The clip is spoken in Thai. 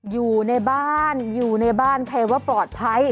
อยู่ในบ้านอยู่ในบ้านใครว่าปลอดภัย